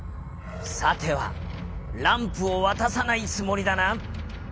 「さてはランプをわたさないつもりだな」。